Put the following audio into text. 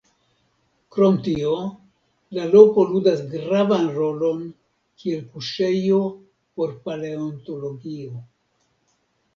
Krom tio, la loko ludas gravan rolon kiel kuŝejo por paleontologio.